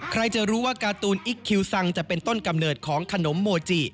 ใครจะรู้ว่าการ์ตูนอิ๊กคิวซังจะเป็นต้นกำเนิดของขนมโมจิ